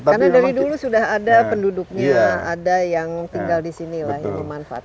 karena dari dulu sudah ada penduduknya ada yang tinggal di sini lah yang dimanfaatkan